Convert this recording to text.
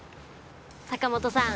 坂本さん